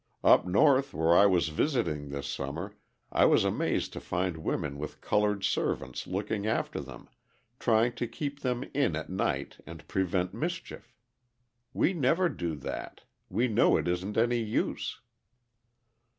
Up North where I was visiting this summer I was amazed to find women with coloured servants looking after them, trying to keep them in at night and prevent mischief. We never do that; we know it isn't any use."